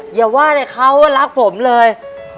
อย่าว่าแต่เขารักผมเลย